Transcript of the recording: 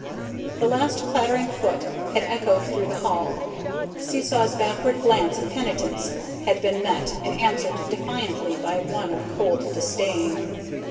The last clattering foot had echoed through the hall, Seesaw's backward glance of penitence had been met and answered defiantly by one of cold disdain.